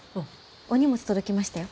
お荷物届きましたよ。